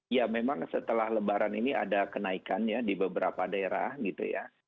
ya memang setelah lebaran ini ada kenaikan ya di beberapa daerah gitu ya